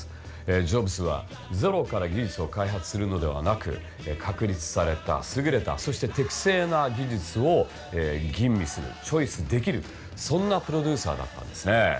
ジョブズはゼロから技術を開発するのではなく確立された優れたそして適正な技術を吟味するチョイスできるそんなプロデューサーだったんですね。